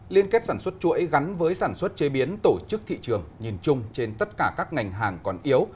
liên kết sản xuất chuỗi gắn với sản xuất chế biến tổ chức thị trường nhìn chung trên tất cả các ngành hàng còn yếu